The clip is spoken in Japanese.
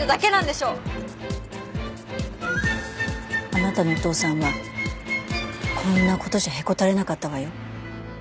あなたのお父さんはこんな事じゃへこたれなかったわよ。